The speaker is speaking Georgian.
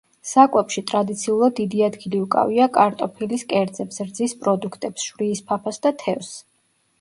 საკვებში ტრადიციულად დიდი ადგილი უკავია კარტოფილის კერძებს, რძის პროდუქტებს, შვრიის ფაფას, და თევზს.